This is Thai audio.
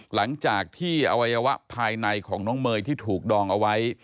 หลังจากที่อวัยวะภายในของน้องเมย์ที่ถูกดองเอาไว้